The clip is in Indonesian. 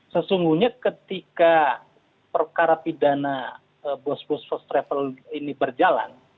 sesungguhnya ketika perkara pidana bos bos first travel ini berjalan